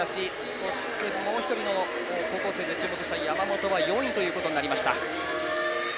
そしてもう１人の高校生の注目された山本は４位となりました。